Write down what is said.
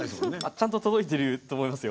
ちゃんと届いてると思いますよ。